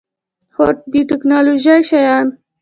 هو، د تکنالوژۍ شیان